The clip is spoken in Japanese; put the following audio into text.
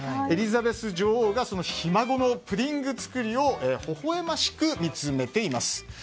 エリザベス女王がそのひ孫のプディング作りをほほ笑ましく見つめています。